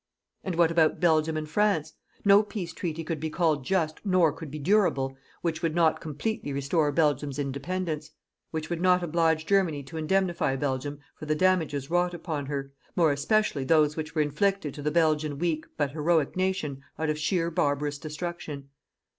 And what about Belgium and France? No peace treaty could be called JUST nor could be DURABLE, which would not completely restore Belgium's independence; which would not oblige Germany to indemnify Belgium for the damages wrought upon her, more especially those which were inflicted to the Belgian weak but heroic nation out of sheer barbarous destruction.